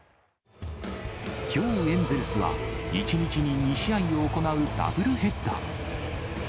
きょう、エンゼルスは１日に２試合を行うダブルヘッダー。